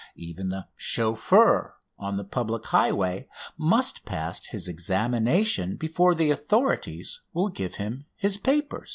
Even the "chauffeur" on the public highway must pass his examination before the authorities will give him his papers.